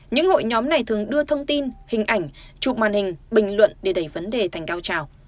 những hội nhóm này thường đưa thông tin hình ảnh chụp màn hình bình luận để đẩy vấn đề thành cao trào